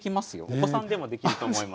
お子さんでもできると思います。